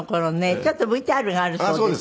ちょっとＶＴＲがあるそうです。